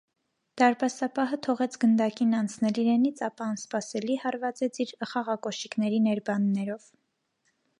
Դարպասապահը թողեց գնդակին անցնել իրենից, ապա անսպասելի հարվածեց իր խաղակոշիկների ներբաններով։